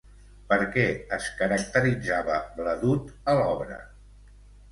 Per què es caracteritzava Bladud a l'obra?